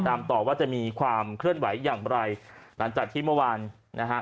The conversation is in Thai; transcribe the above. ตามต่อว่าจะมีความเคลื่อนไหวอย่างไรหลังจากที่เมื่อวานนะฮะ